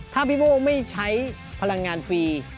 ถ้าพี่โม่ไม่ใช้พลังงานฟรี